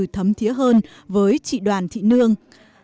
tính thế hơn với chị đoàn thị nương